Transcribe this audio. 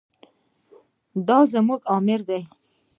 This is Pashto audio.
دا زموږ امر دی.